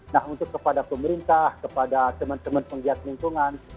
nah untuk kepada pemerintah kepada teman teman penggiat lingkungan